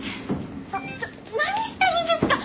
ちょっ何してるんですか！？